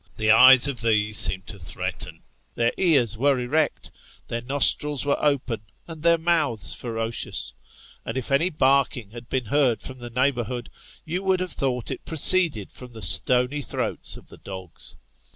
The eyes of these seemed to threaten, their ears were erect, their nostrils were open, and their mouths ferocious ; and if any barking had been heard from the neigh bourhood, you would have thought it proceeded from the stony throats of the dogs.